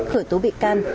khởi tố bị can